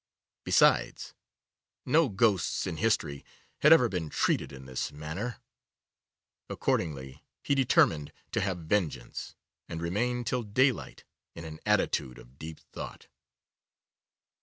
Besides, no ghosts in history had ever been treated in this manner. Accordingly, he determined to have vengeance, and remained till daylight in an attitude of deep thought.